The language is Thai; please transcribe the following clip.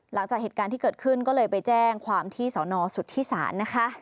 หลังจากเหตุการณ์ที่เกิดขึ้นก็เลยไปแจ้งความที่สนสุธิศาลนะคะ